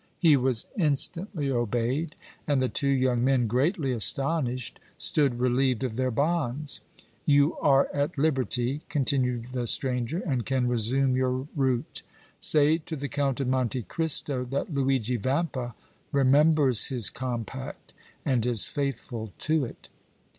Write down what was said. He was instantly obeyed, and the two young men, greatly astonished, stood relieved of their bonds. "You are at liberty," continued the stranger, "and can resume your route. Say to the Count of Monte Cristo that Luigi Vampa remembers his compact and is faithful to it!"